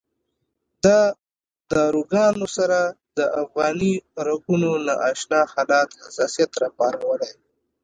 د داروګانو سره د افغاني رګونو نا اشنا حالت حساسیت راپارولی.